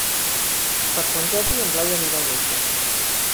Per Sant Jordi en Blai anirà al metge.